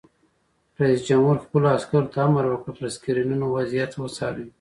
رئیس جمهور خپلو عسکرو ته امر وکړ؛ پر سکرینونو وضعیت وڅارئ!